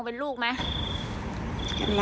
กินกัน